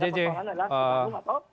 dan persoalan adalah siapa yang mau atau